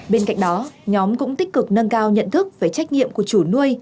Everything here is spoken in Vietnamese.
bên cạnh đó nhóm cũng tích cực nâng cao nhận thức về trách nhiệm của chủ nuôi